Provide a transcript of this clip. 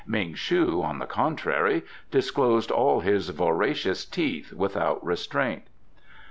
Ming shu, on the contrary, disclosed all his voracious teeth without restraint.